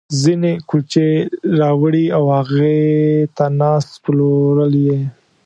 ځينې کُلچې راوړي او هغې ته ناست، پلورل یې.